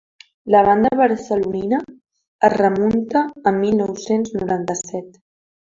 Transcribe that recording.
La banda barcelonina es remunta a mil nou-cents noranta-set.